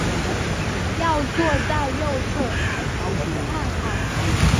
要坐在右侧才可以看海